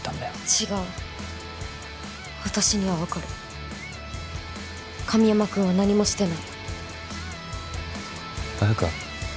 違う私には分かる神山くんは何もしてない綾華？